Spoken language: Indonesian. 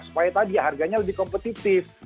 supaya tadi harganya lebih kompetitif